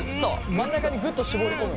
真ん中にグッと絞り込む。